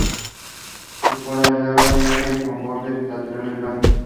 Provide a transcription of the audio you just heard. Su cola es larga y negra con los bordes laterales blancos.